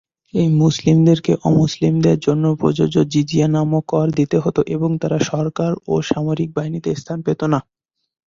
এই মুসলিমদেরকে অমুসলিমদের জন্য প্রযোজ্য জিজিয়া নামক কর দিতে হত এবং তারা সরকার ও সামরিক বাহিনীতে স্থান পেত না।